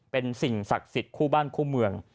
เป็นสิ่งศักดิ์สิทธิ์คู่บ้านคู่เมือง